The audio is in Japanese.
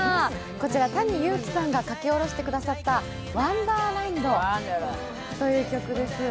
こちらＴａｎｉＹｕｕｋｉさんが書き下ろしてくださった「ワンダーランド」という曲です。